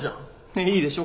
ねえいいでしょ